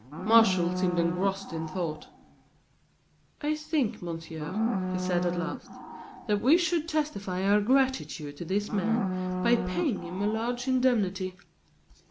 Martial seemed engrossed in thought. "I think, Monsieur," he said, at last, "that we should testify our gratitude to this man by paying him a large indemnity."